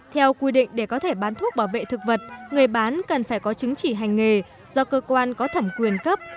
theo quy định để có thể bán thuốc bảo vệ thực vật người bán cần phải có chứng chỉ hành nghề do cơ quan có thẩm quyền cấp